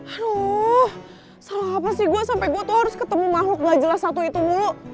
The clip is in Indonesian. aduh salah apa sih gue sampai gue tuh harus ketemu makhluk gak jelas satu itu mulu